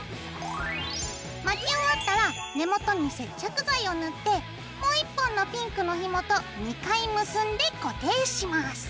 巻き終わったら根元に接着剤を塗ってもう１本のピンクのひもと２回結んで固定します。